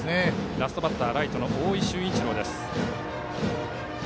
ラストバッターはライトの大井駿一郎。